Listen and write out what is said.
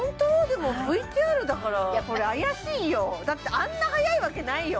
でもＶＴＲだからこれ怪しいよだってあんな早いわけないよ